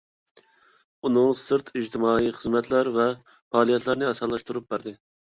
ئۇنىڭدىن سىرت، ئىجتىمائىي خىزمەتلەر ۋە پائالىيەتلەرنى ئاسانلاشتۇرۇپ بەردى.